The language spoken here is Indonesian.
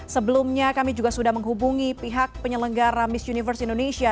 sebelumnya kami juga sudah menghubungi pihak penyelenggara miss universe indonesia